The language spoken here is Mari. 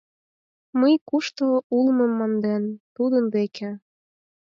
Мый, кушто улмым монден, тудын деке